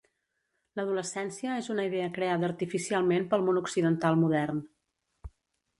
L'adolescència és una idea creada artificialment pel món occidental modern.